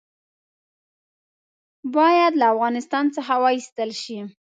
باید له افغانستان څخه وایستل شي.